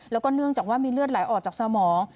แล้วก็เนื่องจากว่ามีเลือดไหลออกจากสมอง